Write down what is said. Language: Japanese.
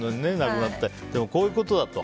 でもこういうことだと。